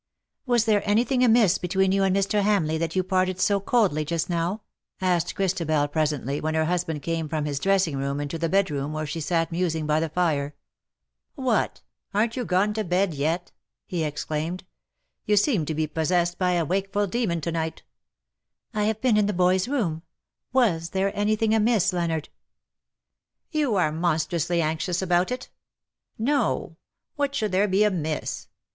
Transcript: "Was there anything amiss between you and Mr. Hamleigh, that you parted so coldly just now ?" asked Christabel, presently, when her husband came from his dressing room into the bed room where she sat musing by the fire. " What, aren't you gone to bed yet !" he ^^AND TIME IS SETTING Wl' ME, O." 2S7 exclaimed. " You seem to be possessed by a wakeful demon to night/^ '^ I have been in the boy's room. fVas there anything amiss, Leonard ?^^*■' You are monstrously anxious about it. No. What should there be amiss?